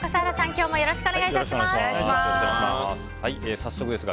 今日もよろしくお願い致します。